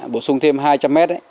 bổ sung thêm hai trăm linh mét